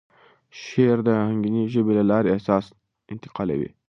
شعر د آهنګینې ژبې له لارې احساس انتقالوي.